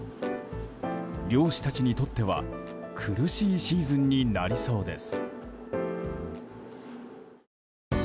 漁師たちにとっては苦しいシーズンになりそうです。